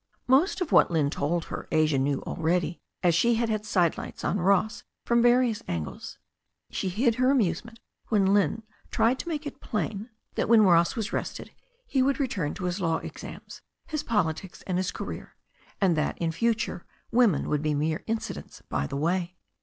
Most of what Lynne told her Asia already knew, as she had had sidelights on Ross from various angles. She hid her amusement when Lynne tried to make it plain that when THE STORY OF A NEW ZEALAND RIVER 281 Ross was rested he would return to his law exams, his politics and his career, and that, in future, women would be merely incidents by the way.